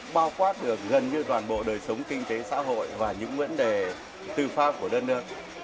bao quát được gần như toàn bộ đời sống kinh tế xã hội và những vấn đề tư pháp của đất nước